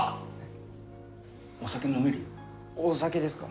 お酒ですか？